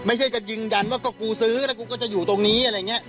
ไม่ใช่จะยืนยันว่าก็กูซื้อแล้วกูก็จะอยู่ตรงนี้อะไรอย่างนี้